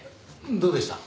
どうでした？